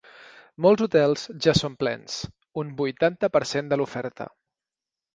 Molts hotels ja són plens: un vuitanta per cent de l’oferta.